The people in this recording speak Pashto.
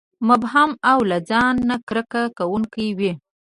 مبهم او له ځان نه کرکه کوونکي وي.